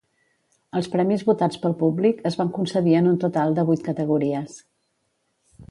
Els premis votats pel públic es van concedir en un total de vuit categories.